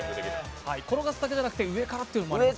転がすだけじゃなくて上からというのもありますね？